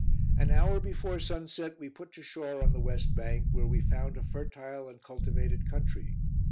An hour before sunset we put to shore on the west bank, where we found a fertile and cultivated country.